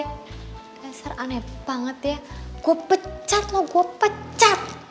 dasar aneh banget ya gue pecat loh gue pecat